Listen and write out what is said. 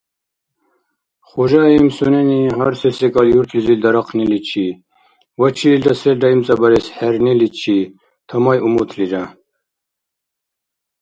Хужаим сунени гьар се-секӀал юртлизир дарахъниличи ва чилилра селра имцӀабарес хӀерниличи тамай умутлира.